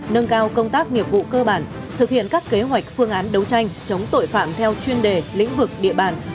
nâng cao công tác nghiệp vụ cơ bản thực hiện các kế hoạch phương án đấu tranh chống tội phạm theo chuyên đề lĩnh vực địa bàn